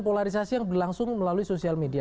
polarisasi yang berlangsung melalui sosial media